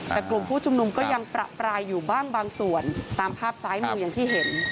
แต่กลุ่มผู้ชุมนุมก็ยังประปรายอยู่บ้างบางส่วนตามภาพซ้ายมืออย่างที่เห็น